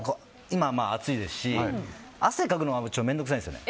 今は暑いですし汗をかくのが面倒くさいんですよね。